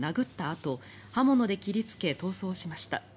あと刃物で切りつけ逃走しました。